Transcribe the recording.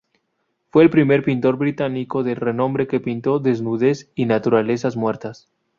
Fue el primer pintor británico de renombre que pintó desnudez y naturalezas muertas.